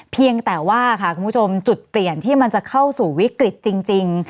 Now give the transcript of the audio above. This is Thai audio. เพียงแต่ว่าค่ะคุณผู้ชมจุดเปลี่ยนที่มันจะเข้าสู่วิกฤตจริง